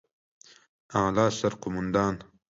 اعلى سرقومندان